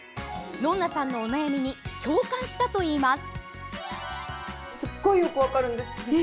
ノンナさんのお悩みに共感したといいます。